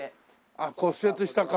あっ骨折したか。